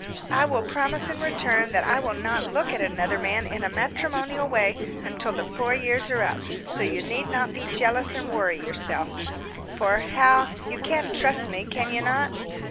"I will promise in return that I will not look at another man in a matrimonial way until the four years are up, so you need not be jealous and worry yourself; for, Hal, you can trust me, can you not?"